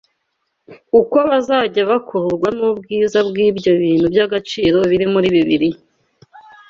Uko bazajya bakururwa n’ubwiza bw’ibyo bintu by’agaciro biri muri Bibiliya